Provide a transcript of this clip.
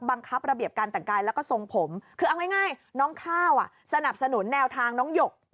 ระเบียบการแต่งกายแล้วก็ทรงผมคือเอาง่ายน้องข้าวสนับสนุนแนวทางน้องหยก